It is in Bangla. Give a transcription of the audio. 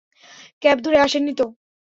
ক্যাব ধরে আসেননি তো?